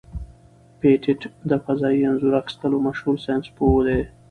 پېټټ د فضايي انځور اخیستلو مشهور ساینسپوه دی.